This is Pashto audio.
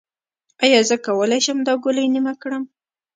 ایا زه کولی شم دا ګولۍ نیمه کړم؟